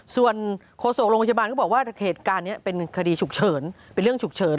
ส่วนโฆษโตะก็บอกว่าเคสการนี้เป็นเรื่องฉุกเฉิน